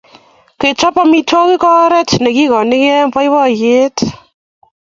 Kechop amitwogik ko oret neikoinigei boiboiyet